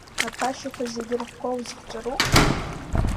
Аԥашьақәа зегьы рыхқәа узыхҵәару?